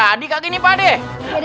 jadi kak gini pak deh